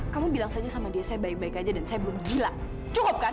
kamu bilang saja sama dia saya baik baik aja dan saya belum gila cukup kan